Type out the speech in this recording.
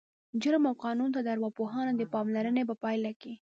جرم او قانون ته د ارواپوهانو د پاملرنې په پایله کې